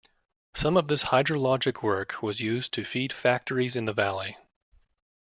Some of this hydrologic work was used to feed factories in the valley.